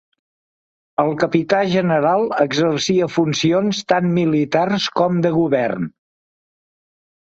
El capità general exercia funcions tant militars com de govern.